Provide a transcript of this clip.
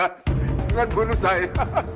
jangan bunuh saya